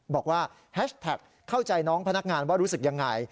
แฮชแท็กเข้าใจน้องพนักงานว่ารู้สึกยังไง